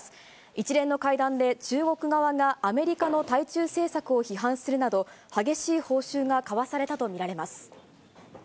一連の会談で、中国側がアメリカの対中政策を批判するなど、激しい応酬が交わされたと見られます。